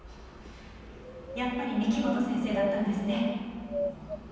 やっぱり御木本先生だったんですね。